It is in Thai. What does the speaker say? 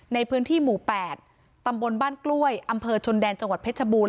ในพื้นที่หมู่๘ตำบลบ้านกล้วยอำเภอชนแดนจังหวัดเพชรบูรณ